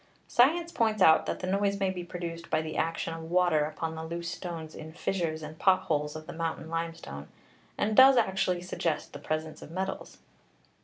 Science points out that the noise may be produced by the action of water upon the loose stones in fissures and pot holes of the mountain limestone, and does actually suggest the presence of metals.